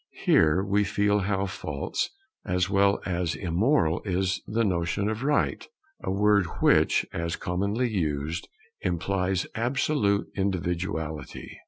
Here we feel how false as well as immoral is the notion of Right, a word which, as commonly used, implies absolute individuality.